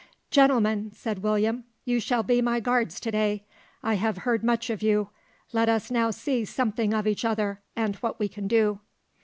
"`Gentlemen!' said William, `you shall be my guards to day. I have heard much of you; let us now see something of each other, and what we can do.'